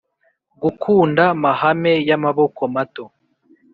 gukunda mahame y'amaboko mato.